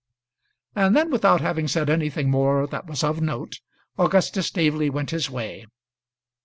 And then, without having said anything more that was of note, Augustus Staveley went his way.